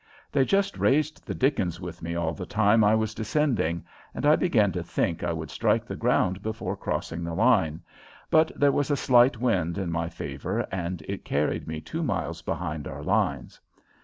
They just raised the dickens with me all the time I was descending, and I began to think I would strike the ground before crossing the line, but there was a slight wind in my favor and it carried me two miles behind our lines.